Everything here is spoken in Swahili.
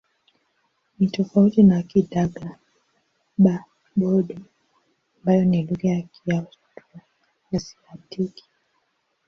Ni tofauti na Kigadaba-Bodo ambayo ni lugha ya Kiaustro-Asiatiki.